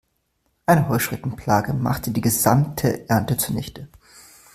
Eine Heuschreckenplage machte die gesamte Ernte zunichte.